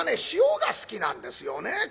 塩が好きなんですよね。